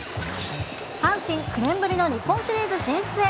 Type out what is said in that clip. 阪神、９年ぶりの日本シリーズ進出へ。